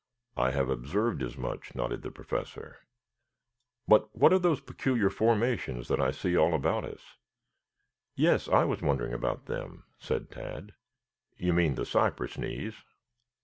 "I have observed as much," nodded the Professor. "But what are those peculiar formations that I see all about us?" "Yes, I was wondering about them," said Tad. "You mean the cypress knees?"